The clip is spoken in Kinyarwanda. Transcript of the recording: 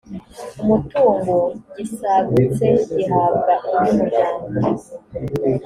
umutungo gisagutse gihabwa undi muryango